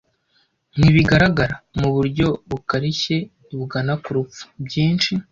Ntibigaragara, muburyo bukarishye bugana ku rupfu - byinshi